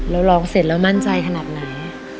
เราร้องเสร็จแล้วมั่นใจขนาดไหน